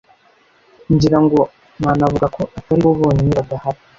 ngira ngo nanavuga ko ataribo bonyine badahari